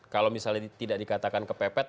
kalau misalnya tidak dikatakan kepepet